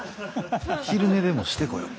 昼寝でもしてこよ。